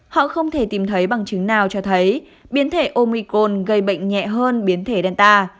họ không thể tìm thấy bằng chứng nào cho thấy biến thể omicon gây bệnh nhẹ hơn biến thể danta